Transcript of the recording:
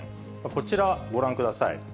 こちら、ご覧ください。